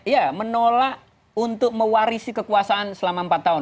ya menolak untuk mewarisi kekuasaan selama empat tahun